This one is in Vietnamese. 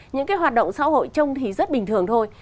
những cái hoạt động xã hội chung thì rất bình thường thôi